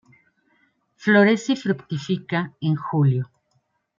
Florece y fructifica en Julio.